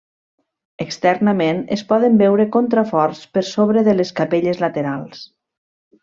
Externament es poden veure contraforts per sobre de les capelles laterals.